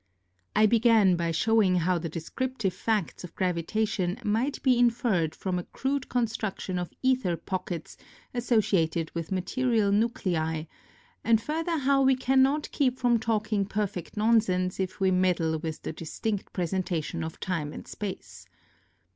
I began by showing how the descriptive facts of gravitation might be inferred from a crude con struction of aether pockets associated with material nuclei, and further how we cannot keep from talking perfect nonsense if we meddle with the distinct presenta tion of time and space.